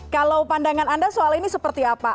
kalau pandangan anda soal ini seperti apa